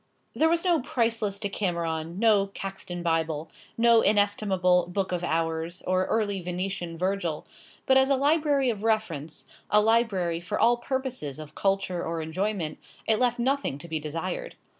There was no priceless Decameron, no Caxton Bible, no inestimable "Book of Hours," or early Venetian Virgil; but as a library of reference, a library for all purposes of culture or enjoyment, it left nothing to be desired.